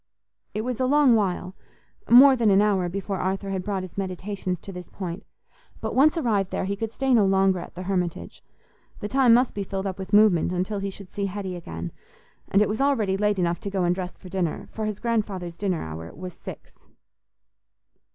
It was a long while—more than an hour before Arthur had brought his meditations to this point; but once arrived there, he could stay no longer at the Hermitage. The time must be filled up with movement until he should see Hetty again. And it was already late enough to go and dress for dinner, for his grandfather's dinner hour was six.